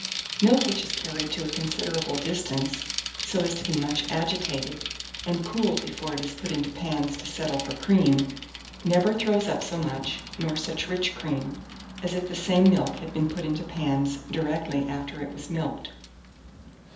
1610. Milk which is carried to a considerable distance, so as to be much agitated, and cooled before it is put into pans to settle for cream, never throws up so much, nor such rich cream, as if the same milk had been put into pans directly after it was milked.